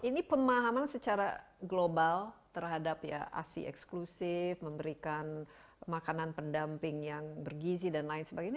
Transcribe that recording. ini pemahaman secara global terhadap ya asi eksklusif memberikan makanan pendamping yang bergizi dan lain sebagainya